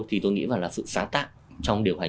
thì tôi nghĩ là sự sáng tạo trong điều hành